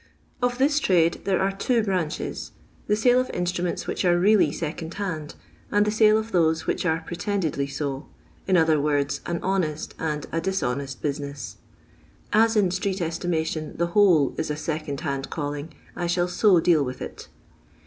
Of this trade there are two branches ; the sale of instruments which are really second hand, and the sale of those which are pretendedly so ; in other words, an honest and a dishonest business. As in street estimation the whole is a second hand calling, I shall so deal with it.